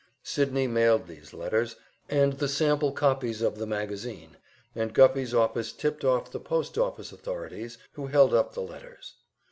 Sydney mailed these letters, and the sample copies of the magazine, and Guffey's office tipped off the postoffice authorities, who held up the letters.